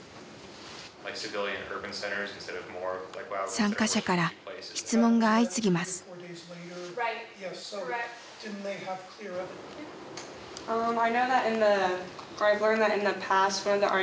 参加者から質問が相次ぎます。